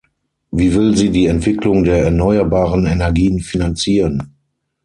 Wie will sie die Entwicklung der erneuerbaren Energien finanzieren?